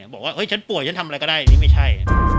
บอกว่าเฮ้ยฉันป่วยฉันทำอะไรก็ได้นี่ไม่ใช่